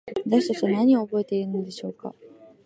私たちは何を覚えているのでしょうか。